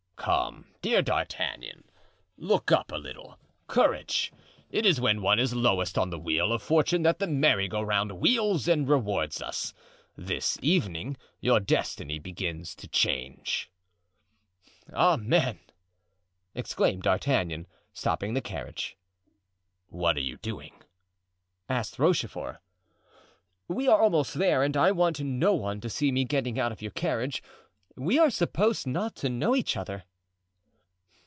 "Come, dear D'Artagnan, look up a little! Courage! It is when one is lowest on the wheel of fortune that the merry go round wheels and rewards us. This evening your destiny begins to change." "Amen!" exclaimed D'Artagnan, stopping the carriage. "What are you doing?" asked Rochefort. "We are almost there and I want no one to see me getting out of your carriage; we are supposed not to know each other."